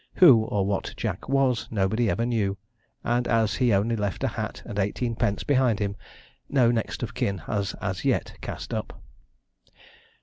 Who or what Jack was, nobody ever knew, and as he only left a hat and eighteen pence behind him, no next of kin has as yet cast up.